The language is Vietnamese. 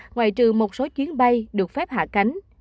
ngoại trừ một số chuyến bay được phép hạ cánh